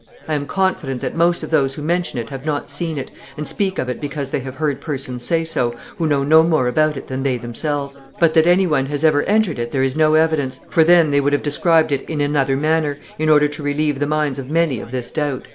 I am confident that most of those who mention it have not seen it, and speak of it because they have heard persons say so, who know no more about it than they themselves.... But that any one has ever entered it there is no evidence, for then they would have described it in another manner, in order to relieve the minds of many of this doubt."